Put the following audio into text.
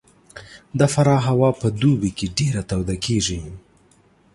د فراه هوا په دوبي کې ډېره توده کېږي